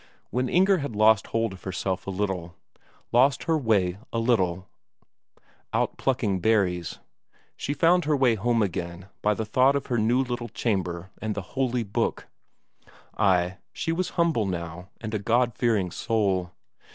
When Inger had lost hold of herself a little, lost her way a little out plucking berries, she found her way home again by the thought of her little chamber and the holy book; ay, she was humble now and a Godfearing soul.